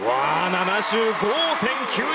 ７５．９２！